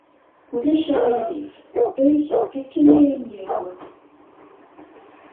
Ulac aɣilif. Eg akken ay am-yehwa.